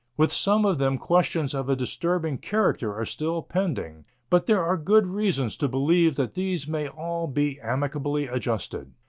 With some of them questions of a disturbing character are still pending, but there are good reasons to believe that these may all be amicably adjusted.